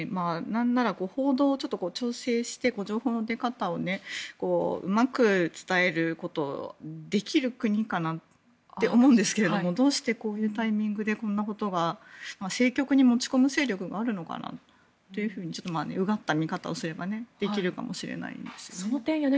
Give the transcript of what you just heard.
なんなら報道を調整して情報の出方をうまく伝えることができる国かなと思うんですがどうしてこういうタイミングでこんなことが政局に持ち込む勢力があるのかなとうがった見方をすればできるかもしれないですね。